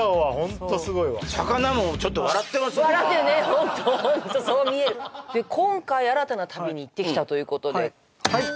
ホントホントそう見えるで今回新たな旅に行ってきたということではい